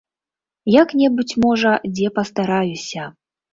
Як-небудзь, можа, дзе пастараюся.